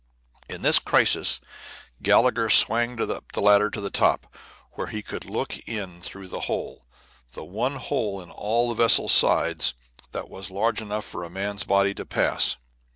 In this crisis Gallagher sprang up the ladder to the top, where he could look in through the hole, the one hole in all the vessel's sides that was large enough for a man's body to pass.